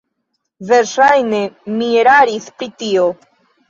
Verŝajne mi eraris pri tio.